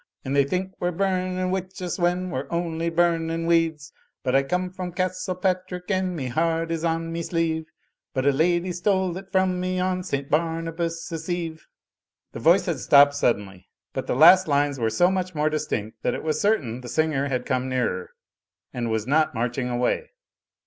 And they think we're burnin' witches when we're only bumin' weeds. But I come from Castlepatrick, aad me heart is on me sleeve; But a lady stole it from me on St Bamabas's Eve." The voice had stopped suddenly, but the last lines were so much more distinct that it was certain the singer had come nearer, and was not marching away.